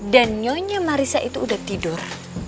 dan nyonya marissa itu udah tidur